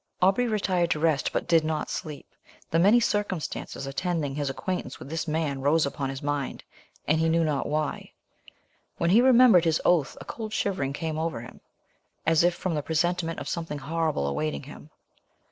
Aubrey retired to rest, but did not sleep; the many circumstances attending his acquaintance with this man rose upon his mind, and he knew not why; when he remembered his oath a cold shivering came over him, as if from the presentiment of something horrible awaiting him.